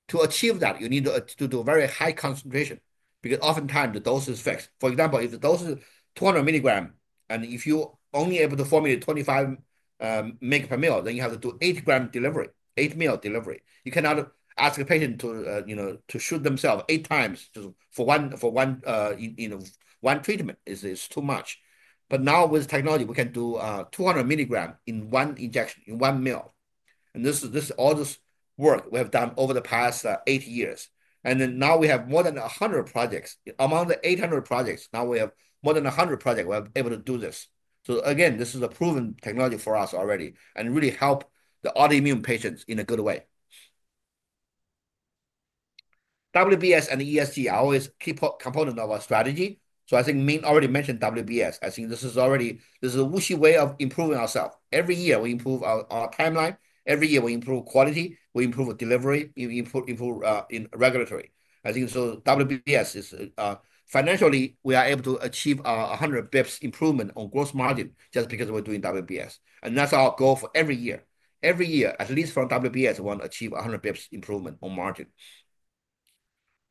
To achieve that, you need to do very high concentration because oftentimes the dose is fixed. For example, if the dose is 200 mg and if you only able to formulate 25 mg/ml, then you have to do 8 ml delivery. You cannot ask a patient to, you know, to shoot themselves eight times for one, for one, you know, one treatment is too much. Now with technology, we can do 200 mg in one injection, in one mil. This is all this work we have done over the past eight years. Now we have more than 100 projects. Among the 800 projects, now we have more than 100 projects we're able to do this. This is a proven technology for us already and really help the autoimmune patients in a good way. WBS and ESG are always key component of our strategy. I think Ming already mentioned WBS. I think this is already, this is a WuXi way of improving ourselves. Every year we improve our timeline. Every year we improve quality, we improve delivery in regulatory. I think WBS is financially we are able to achieve 100 basis points improvement on gross margin just because we're doing WBS. That's our goal for every year. Every year, at least from WBS, we want to achieve 100 basis points improvement on margin.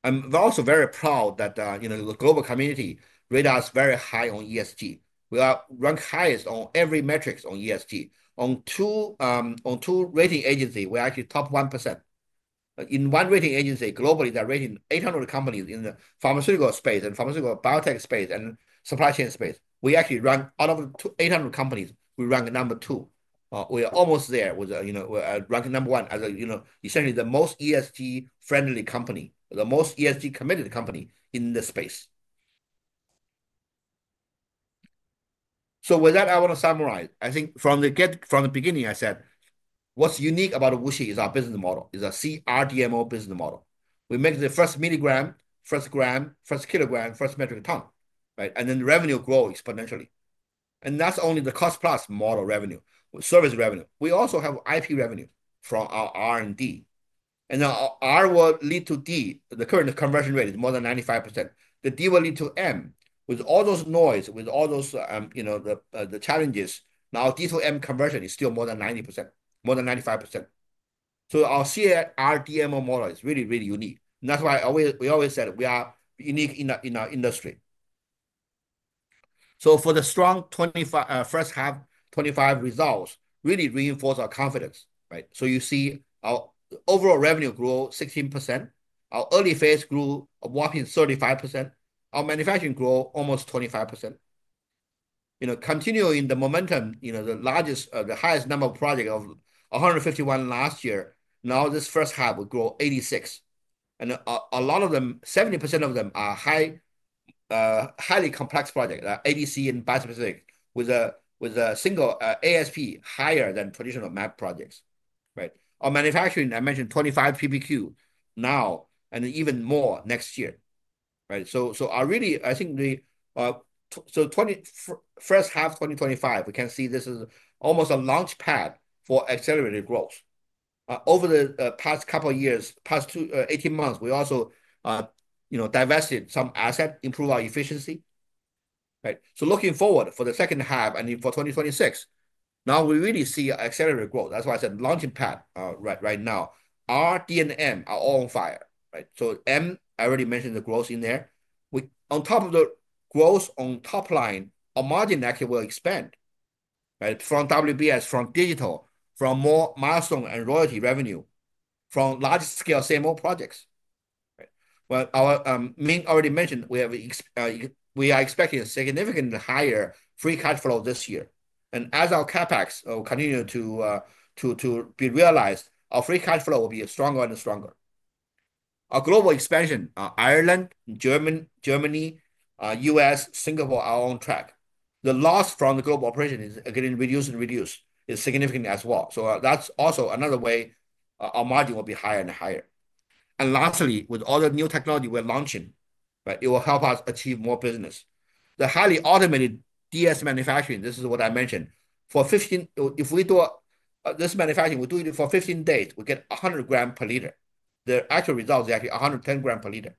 I'm also very proud that the global community rate us very high on ESG. We are ranked highest on every metrics on ESG, on 2, on 2 rating agency. We're actually top 1% in one rating agency. Globally, they're rating 800 companies in the pharmaceutical space and pharmaceutical biotech space and supply chain space. We actually, out of 800 companies, we rank number two. We are almost there with, you know, ranking number one as, you know, essentially the most ESG friendly company, the most ESG committed company in the space. With that I want to summarize, I think from the beginning I said what's unique about WuXi Biologics is our business model is a CRDMO business model. We make the first milligram, first gram, first kilogram, first metric ton, right? Then the revenue grows exponentially. That's only the cost plus model revenue, service revenue. We also have IP revenue from our R and D and R will lead to D. The current conversion rate is more than 95%. The D will lead to M with all those noise, with all those, you know, the challenges now D to M conversion is still more than 90%, more than 95%. Our CRDMO model is really, really unique. That's why we always said we are unique in our industry. For the strong first half 2025 results really reinforce our confidence, right? You see our overall revenue grew 16%. Our early phase grew a whopping 35%. Our manufacturing grew almost 25%, continuing the momentum. The largest, the highest number of projects of 151 last year. Now this first half will grow 86. A lot of them, 70% of them, are highly complex projects. ADCs and multispecifics with a single ASP higher than traditional mAb projects, right? For manufacturing, I mentioned 25 PPQ now and even more next year, right? I think the first half 2025, we can see this is almost a launch pad for accelerated growth over the past couple of years. Past 18 months we also divested some assets, improved our efficiency. Looking forward for the second half and for 2026 now we really see accelerated growth. That's why I said launching pad right now R, D and M are all on fire. M, I already mentioned the growth in there on top of the growth on top line. Our margin actually will expand from WBS, from digitalization, from more milestone and royalty revenue from large scale same old projects. Ming already mentioned we are expecting a significantly higher free cash flow this year. As our CapEx will continue to be realized, our free cash flow will be stronger and stronger. Our global expansion, Ireland, Germany, U.S., Singapore are on track. The loss from the global operation is getting reduced and reduced is significant as well. That's also another way our margin will be higher and higher. Lastly, with all the new technology we're launching, it will help us achieve more business. The highly automated DS manufacturing. This is what I mentioned for 15, if we do this manufacturing, we do it for 15 days, we get 100 g/L. The actual result is actually 110 g/L.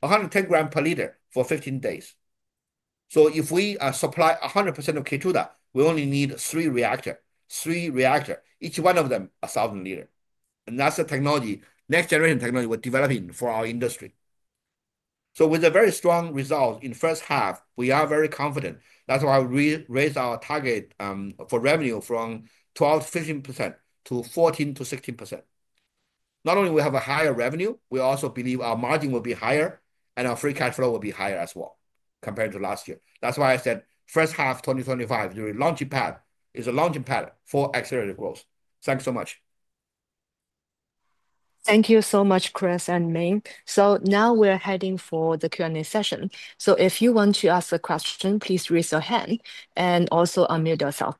110 g/L for 15 days. If we supply 100% of Ketoda we only need three reactors, three reactors, each one of them 1,000 L. That's the technology, next generation technology we're developing for our industry. With a very strong result in first half we are very confident. That's why we raised our target for revenue from 12-15% to 14-16%. Not only do we have a higher revenue, we also believe our margin will be higher and our free cash flow will be higher as well compared to last year. That's why I said first half. 2025 during launching pad is a launching pad for accelerated growth. Thanks so much. Thank you so much, Chris and Ming. Now we're heading for the Q&A session. If you want to ask a question, please raise your hand and also unmute yourself.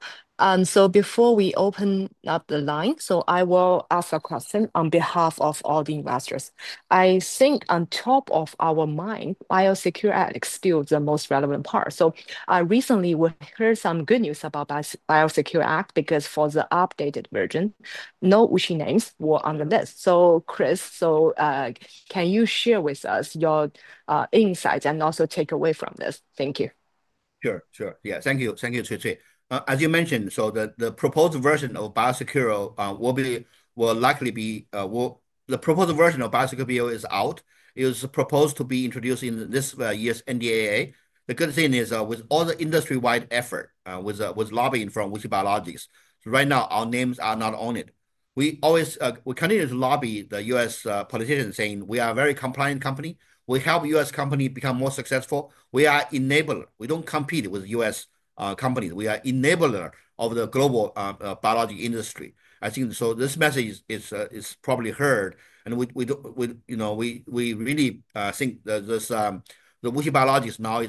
Before we open up the line, I will ask a question on behalf of all the investors. I think on top of our mind, biosecurity is still the most relevant part. Recently, we hear some good news about the Biosecure Act because for the updated version, no WuXi names were on the list. Chris, can you share with us your insights and also takeaway from this? Thank you. Sure, sure. Thank you. Thank you Cui Cui. As you mentioned, the proposed version of biosecurity will likely be. The proposed version of biosecurity PO is out. It was proposed to be introduced in this year's NDAA. The good thing is with all the industry-wide effort, with lobbying from WuXi Biologics, right now our names are not on it. We continue to lobby the U.S. politicians, saying we are a very compliant company. We help U.S. companies become more successful. We are enabler. We don't compete with U.S. companies. We are enabler of the global biologics industry. I think this message is probably heard and we really, I think, WuXi Biologics now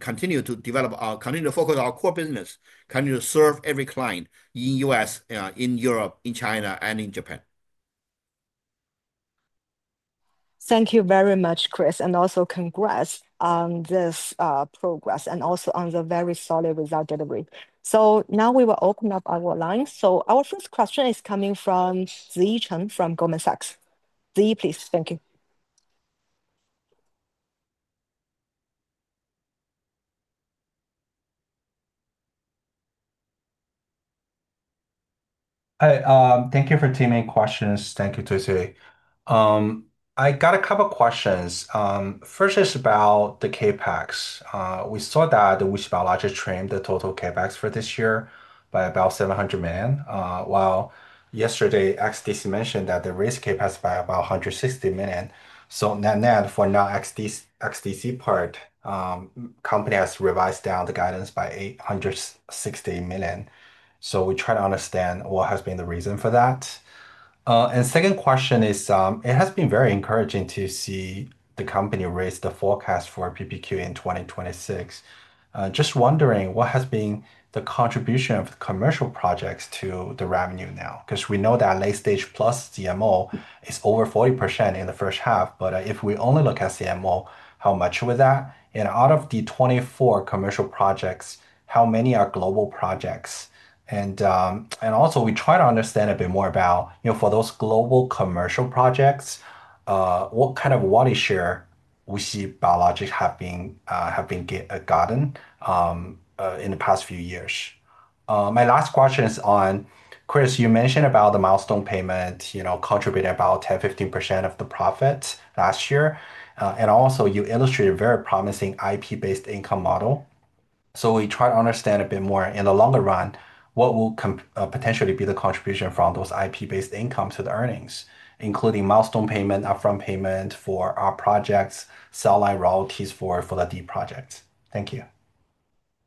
continue to develop our, continue to focus our core business, continue to serve every client in U.S., in Europe, in China, and in Japan. Thank you very much, Chris. Also, congrats on this progress and on the very solid result delivery. Now we will open up our lines. Our first question is coming from Ziyi Chen from Goldman Sachs, please. Thank you. Hi, thank you for taking questions. Thank you Cui Cui. I got a couple questions. First is about the CapEx. We saw that WuXi Biologics trimmed the total CapEx for this year by about $700 million. Yesterday, XDC mentioned that the risk capacity is about $160 million, so net-net for non-XDC part, the company has revised down the guidance by $860 million. We try to understand what has been the reason for that. The second question is it has been very encouraging to see the company raise the forecast for PPQ in 2026. Just wondering what has been the contribution of commercial projects to the revenue now because we know that late stage plus CMO is over 40% in the first half, but if we only look at CMO, how much was that, and out of the 24 commercial projects, how many are global projects? We try to understand a bit more about, for those global commercial projects, what kind of wall share we see WuXi Biologics have gotten in the past few years. My last question is on Chris. You mentioned about the milestone payment, you know, contributed about 10%-15% of the profit last year, and also you illustrate a very promising IP-based income model. We try to understand a bit more in the longer run what will potentially be the contribution from those IP-based income to the earnings, including milestone payment, upfront payment for our projects, cell line royalties for the deep project. Thank you.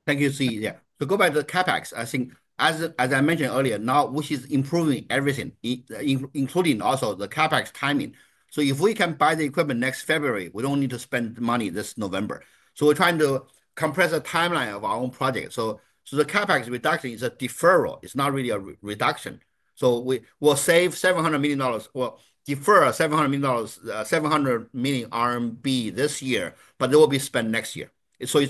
Thank you. Yeah, to go back to the CapEx, I think as I mentioned earlier, now WuXi Biologics is improving everything, including also the CapEx timing. If we can buy the equipment next February, we don't need to spend money this November. We're trying to compress the timeline of our own project. The CapEx reduction is a deferral, it's not really a reduction. We will save $700 million. We'll defer CNY 700 million this year, but they will be spent next year. We continue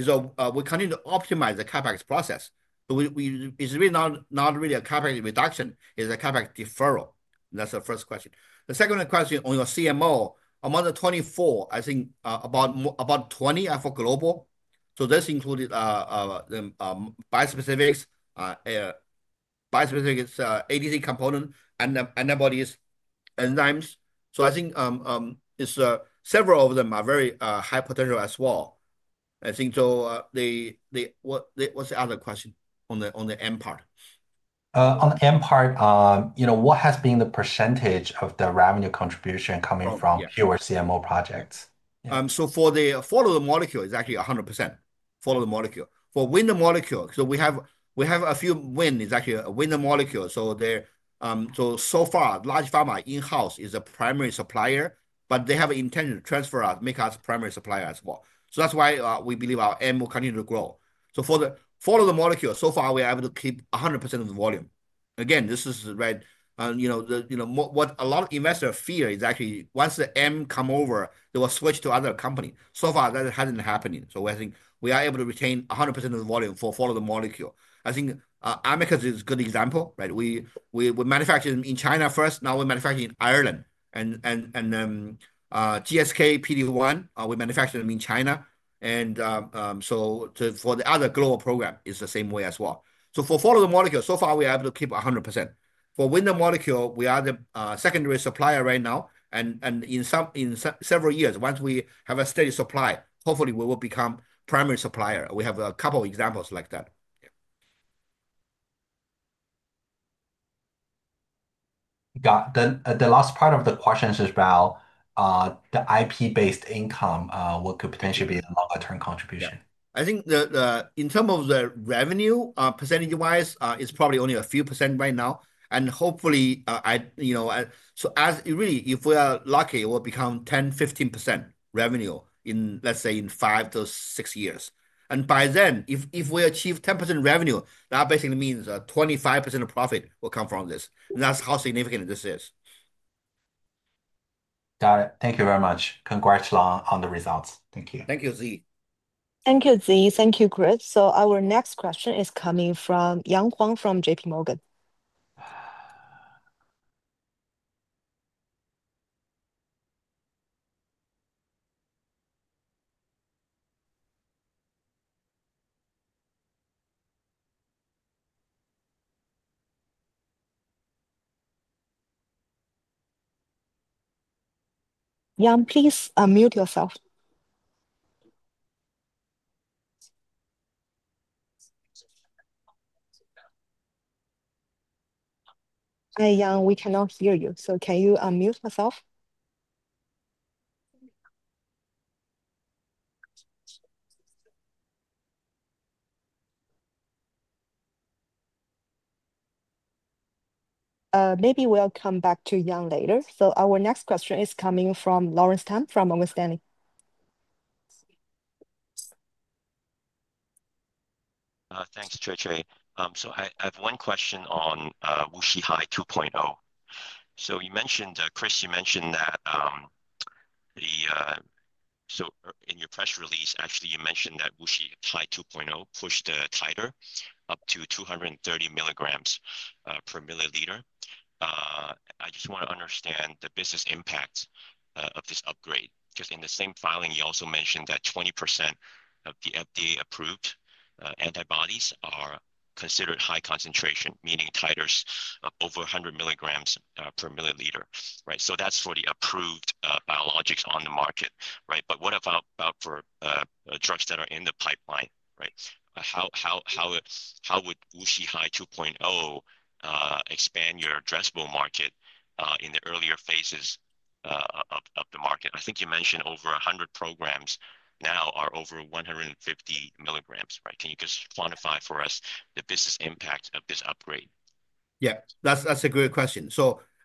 to optimize the CapEx process. It's really not really a CapEx reduction, it's a CapEx deferral. That's the first question. The second question on your CMO, among the 24, I think about 20 are for global. This included bispecifics, bispecific ADC component, antibodies, enzymes. I think several of them are very high potential as well, I think. What's the other question on the M part? On the M part, what has been the percentage of the revenue contribution coming from Q or CMO projects? For the follow the molecule, it's actually 100% follow the molecule for window molecule. We have a few, it's actually a window molecule. So far, large pharma in-house is a primary supplier, but they have an intention to transfer to us, make us primary supplier as well. That's why we believe our M will continue to grow. For the follow the molecule, so far we are able to keep 100% of the volume. What a lot of investors fear is actually once the M comes over, they will switch to another company. So far that hasn't happened. I think we are able to retain 100% of the volume for follow the molecule. I think Amicus is a good example. We manufacture in China first. Now we manufacture in Ireland, and GSK PD1, we manufacture them in China. For the other global program, it's the same way as well. For follow the molecules, so far we are able to keep 100%. For window molecule, we are the secondary supplier right now, and in several years, once we have a steady supply, hopefully we will become primary supplier. We have a couple of examples like that. The last part of the question is about the IP-based income. What could potentially be longer term contribution? I think in terms of the revenue percentage wise it's probably only a few percent right now. Hopefully, if we are lucky, it will become 10%, 15% revenue in, let's say, five to six years. By then, if we achieve 10% revenue, that basically means that 25% of profit will come from this. That's how significant this is. Got it. Thank you very much. Congratulations on the results. Thank you. Thank you, Ziyi. Thank you, Ziyi. Thank you, Chris. Our next question is coming from Yang Huang from JPMorgan. Yang, please unmute yourself. We cannot hear you. Can you unmute yourself? Maybe we'll come back to Yang later. Our next question is coming from Lawrence Tam from Morgan Stanley. Thanks Cui Cui. I have one question on WuXi High 2.0. Chris, you mentioned that in your press release, WuXi High 2.0 pushed titer up to 230 mg/mL. I just want to understand the business impact of this upgrade because in the same filing you also mentioned that 20% of the FDA-approved antibodies are considered high concentration, meaning titers over 100 mg/mL. That's for the approved biologics on the market, right? What about for drugs that are in the pipeline? How would WuXi High 2.0 expand your addressable market? In the earlier phases of the market, I think you mentioned over 100 programs now are over 150 mg/mL. Can you just quantify for us the business impact of this upgrade? Yeah, that's a great question.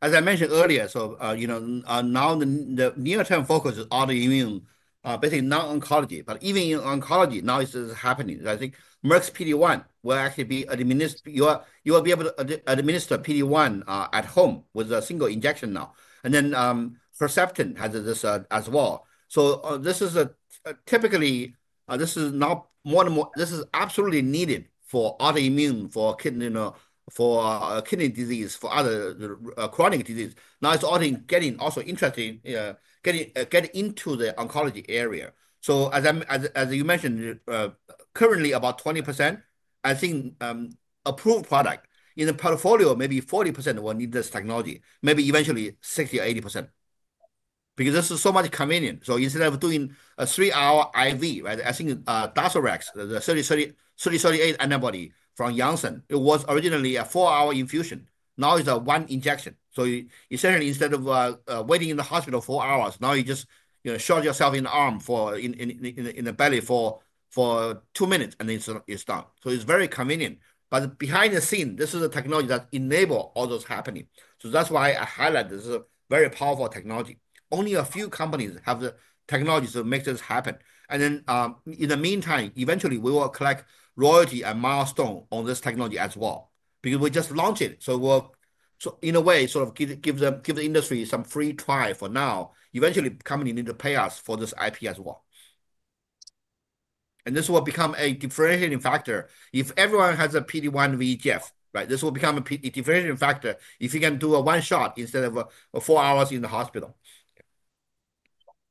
As I mentioned earlier, now the near term focus is autoimmune, basically non-oncology. Even in oncology, now this is happening. I think Merck's PD1 will actually be administered. You will be able to administer PD1 at home with a single injection now, and then Perception has this as well. This is typically, now more and more, absolutely needed for autoimmune, for kidney, for kidney disease, for other chronic disease. It's also interesting getting into the oncology area. As you mentioned, currently about 20% I think approved product in a portfolio, maybe 40% will need this technology, maybe eventually 60% or 80% because this is so much more convenient. Instead of doing a three hour IV, I think Darzalex 3038 antibody from Janssen, it was originally a four hour infusion, now it's one injection. Essentially, instead of waiting in the hospital four hours, now you just shot yourself in the arm, in the belly for two minutes and it's done. It's very convenient. Behind the scene, this is a technology that enables all those happening. That's why I highlight this is a very powerful technology. Only a few companies have the technology to make this happen. In the meantime, eventually we will collect royalty and milestone on this technology as well because we just launched it. In a way, sort of give the industry some free trial for now. Eventually, company need to pay us for this IP as well and this will become a differentiating factor. If everyone has a PD1 VEGF, this will become a different factor if you can do a one shot instead of four hours in the hospital.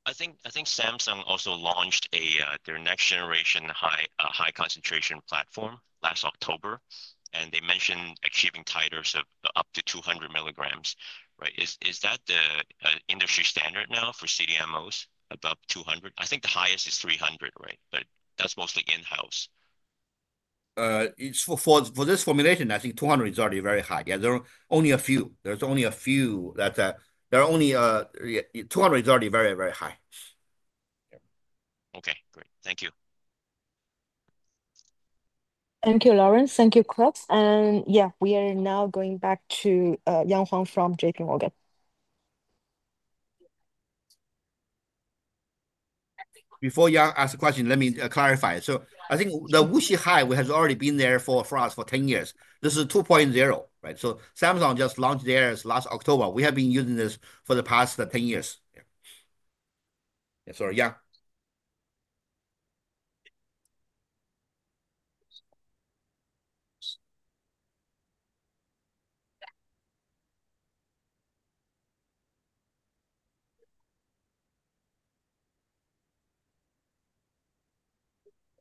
I think Samsung also launched their next generation high concentration platform last October, and they mentioned achieving titers of up to 200 mg. Is that the industry standard now for CDMOs? Above 200, I think the highest is 300. Right, but that's mostly in house. For this formulation, I think 200 is already very high. There are only a few. That there are only 200 is already very, very high. Okay, great, thank you. Thank you, Lawrence. Thank you, Chris. We are now going back to Yang Huang from JPMorgan. Before you all ask a question, let me clarify. I think the WuXi Biologics High has already been there for us for 10 years. This is a 2.0, right? Samsung just launched theirs last October. We have been using this for the past 10 years. Sorry,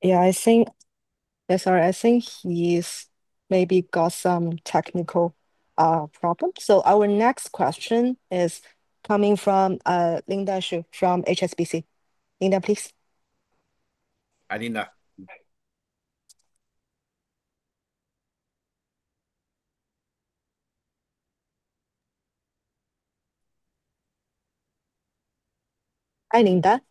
yeah. I think he's maybe got some technical problems. Our next question is coming from Linda Shu from HSBC. Linda, please. Hi Linda. Hi Linda.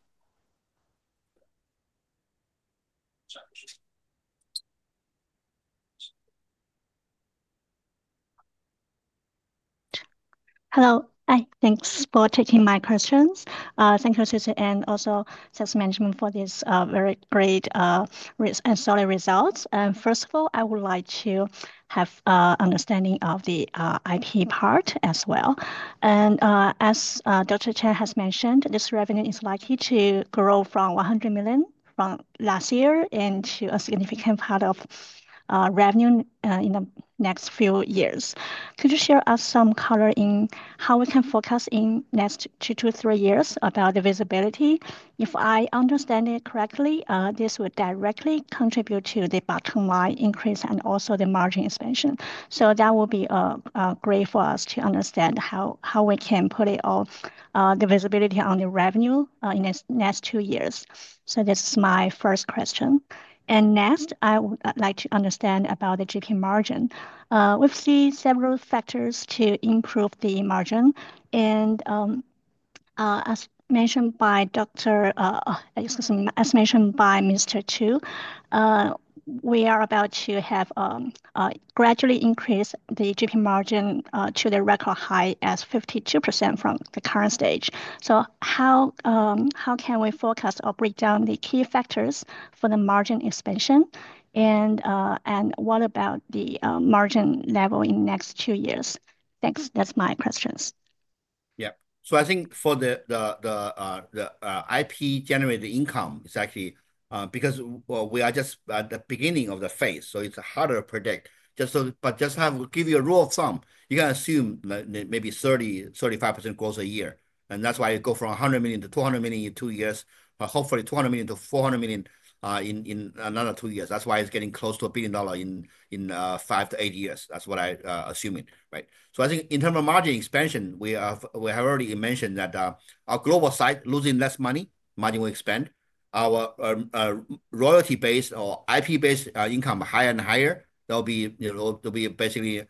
Hello. Thanks for taking my questions. Thank you, and also sales management for this very great solid results. First of all, I would like to have understanding of the IP part as well. As Dr. Chris Chen has mentioned, this revenue is likely to grow from $100 million from last year into a significant part of revenue in the next few years. Could you share us some color in how we can forecast in next two to three years about the visibility? If I understand it correctly, this would directly contribute to the bottom line increase and also the margin expansion. That will be great for us to understand how we can put it on the visibility on the revenue in the next two years. This is my first question. Next, I would like to understand about the GP margin. We see several factors to improve the margin, and as mentioned by Mr. Ming Tu, we are about to have gradually increase the GP margin to the record high as 52% from the current stage. How can we forecast or break down the key factors for the margin expansion, and what about the margin level in next two years? Thanks, that's my question. Yeah, so I think for the IP generated income, it's actually because we are just at the beginning of the phase, so it's harder to predict. Just to give you a rule of thumb, you got to assume maybe 30%-35% growth a year, and that's why you go from $100 million-$200 million in two years. Hopefully $200 million-$400 million in another two years. That's why it's getting close to a billion dollars in five to eight years. That's what I assume it. Right. I think in terms of margin expansion, we have already mentioned that our global site losing less money will expand our royalty-based or IP-based income higher and higher. There'll be basically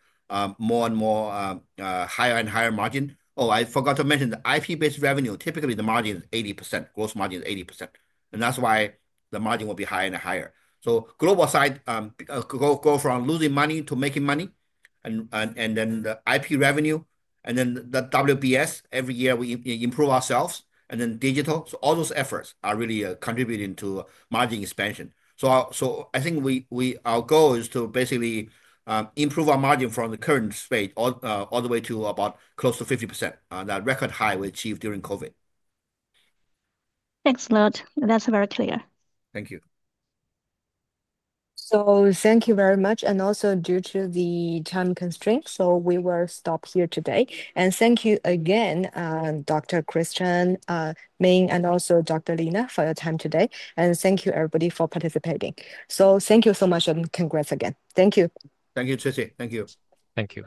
more and more higher and higher margin. Oh, I forgot to mention the IP-based revenue. Typically, the margin is 80%, gross margin is 80%, and that's why the margin will be higher and higher. Global site goes from losing money to making money, and then the IP revenue, and then the WBS. Every year we improve ourselves, and then digital. All those efforts are really contributing to margin expansion. I think our goal is to basically improve our margin from the current state all the way to about close to 50%, that record high we achieved during COVID. Thanks a lot. That's very clear. Thank you. Thank you very much. Due to the time constraint, we will stop here today. Thank you again, Dr. Chris Chen, Ming Tu, and Lina Fan, for your time today. Thank you, everybody, for participating. Thank you so much and congrats again. Thank you. Thank you Cui Cui. Thank you, thank you.